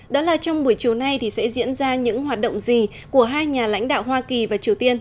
đó là trong buổi chiều nay thì sẽ diễn ra những hoạt động gì của hai nhà lãnh đạo hoa kỳ và triều tiên